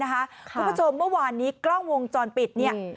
คุณผู้ชมเมื่อวานนี้กล้องวงจรปิดเนี่ย